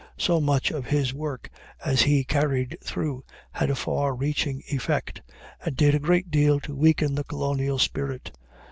So much of his work as he carried through had a far reaching effect, and did a great deal to weaken the colonial spirit.